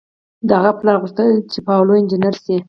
د هغه پلار غوښتل چې پاولو انجنیر شي.